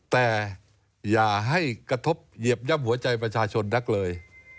แต่อย่าให้กระทบเหยียบย่ำหัวใจประชาชนนักเลย